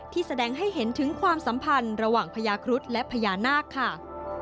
แสดงให้เห็นถึงความสัมพันธ์ระหว่างพญาครุฑและพญานาคค่ะ